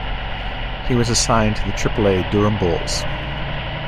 He was assigned to the Triple-A Durham Bulls.